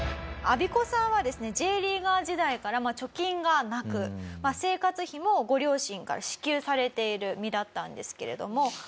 アビコさんはですねＪリーガー時代から貯金がなく生活費もご両親から支給されている身だったんですけれども。